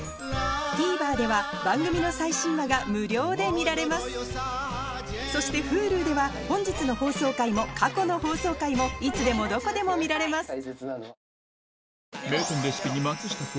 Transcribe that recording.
ＴＶｅｒでは番組の最新話が無料で見られますそしてＨｕｌｕでは本日の放送回も過去の放送回もいつでもどこでも見られます